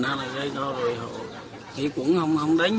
hay là gây ra rồi họ nghĩ cũng không đánh